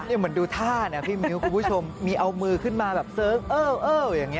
เหมือนดูท่านะพี่มิ้วคุณผู้ชมมีเอามือขึ้นมาแบบเสิร์ฟเอออย่างนี้